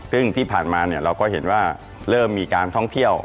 ซึ่งที่ผ่านมาเราก็เห็นว่าเริ่มมีการท่องเที่ยว